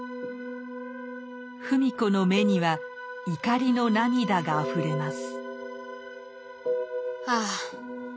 芙美子の目には怒りの涙があふれます。